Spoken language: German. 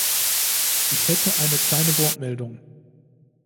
Ich hätte eine kleine Wortmeldung.